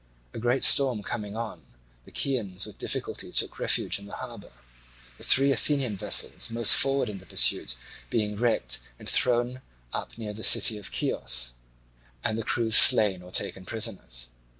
A great storm coming on, the Chians with difficulty took refuge in the harbour; the three Athenian vessels most forward in the pursuit being wrecked and thrown up near the city of Chios, and the crews slain or taken prisoners.